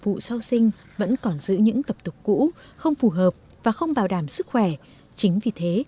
phụ sau sinh vẫn còn giữ những tập tục cũ không phù hợp và không bảo đảm sức khỏe chính vì thế